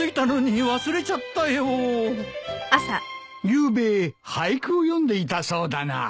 ゆうべ俳句を詠んでいたそうだな。